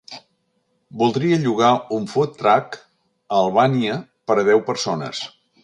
Voldria llogar un "food truck" a Albania per a deu persones.